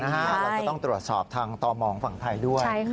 เราก็ต้องตรวจสอบทางต่อมองฝั่งไทยด้วย